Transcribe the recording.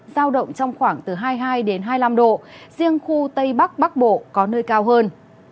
giao động trong khoảng từ hai mươi hai hai mươi năm độ riêng khu tây bắc bắc bộ có nơi cao hơn